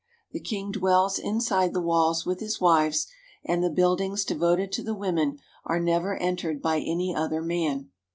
The king dwells inside the walls with his wives, and the buildings devoted to the women are never entered by any other man.